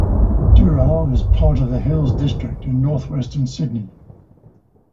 Dural is part of the Hills District, in North Western Sydney.